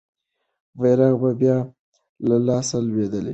بیرغ به بیا له لاسه لوېدلی نه وو.